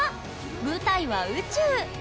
舞台は宇宙！